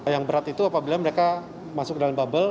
yang berat itu apabila mereka masuk ke dalam bubble